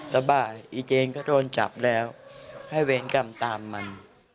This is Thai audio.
สบายอีเจนก็โดนจับแล้วให้เวรกรรมตามมัน